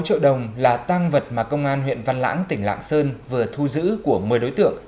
ba mươi sáu triệu đồng là tăng vật mà công an huyện văn lãng tỉnh lạng sơn vừa thu giữ của một mươi đối tượng